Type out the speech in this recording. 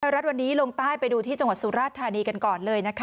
บรรยาธรรรดิ์วันนี้ลงใต้ไปดูที่จังหวัดศูนย์ราชธานีกันก่อนเลย